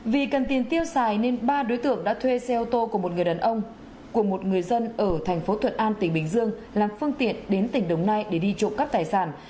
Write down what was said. vì cần tiền tiêu xài nên ba đối tượng đã thuê xe ô tô của một người đàn ông của một người dân ở thành phố thuận an tỉnh bình dương làm phương tiện đến tỉnh đồng nai để đi trộm cắp tài sản